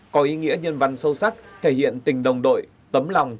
có ý nghĩa nhân văn sâu sắc thể hiện tình đồng đội tấm lòng